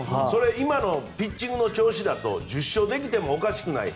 今のピッチングの調子だと１０勝できてもおかしくない。